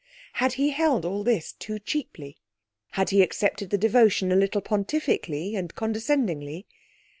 Had he held all this too cheaply? Had he accepted the devotion a little pontifically and condescendingly?